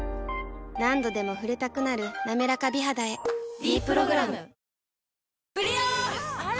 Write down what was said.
何度でも触れたくなる「なめらか美肌」へ「ｄプログラム」あら！